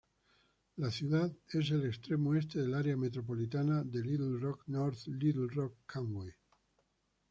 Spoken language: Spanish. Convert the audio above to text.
La ciudad es el extremo este del área metropolitana de Little Rock–North Little Rock–Conway.